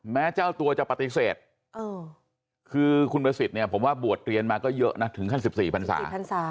แม้เจ้าตัวจะปฏิเสธคือคุณประสิทธิ์เนี่ยผมว่าบวชเรียนมาก็เยอะนะถึงขั้น๑๔พันศา